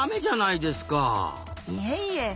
いえいえ